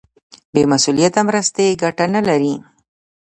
بې مسولیته مرستې ګټه نه لري.